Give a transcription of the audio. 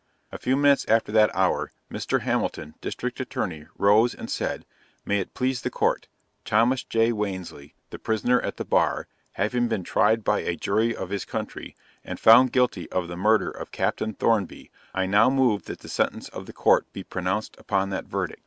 A few minutes after that hour, Mr. Hamilton, District Attorney, rose and said May it please the Court, Thomas J. Wansley, the prisoner at the bar, having been tried by a jury of his country, and found guilty of the murder of Captain Thornby, I now move that the sentence of the Court be pronounced upon that verdict.